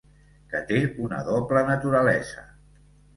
Que té una doble naturalesa.